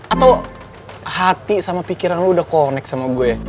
atau hati sama pikiran lo udah connect sama gue